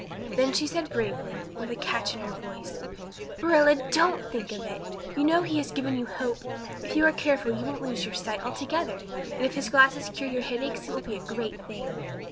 Then she said bravely, but with a catch in her voice: "Marilla, don't think of it. You know he has given you hope. If you are careful you won't lose your sight altogether; and if his glasses cure your headaches it will be a great thing."